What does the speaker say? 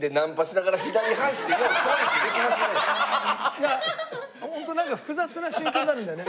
いやホントなんか複雑な心境になるんだよね。